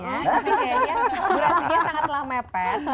durasinya sangat telah mepet